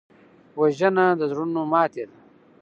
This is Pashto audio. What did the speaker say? وژنه د زړونو ماتې ده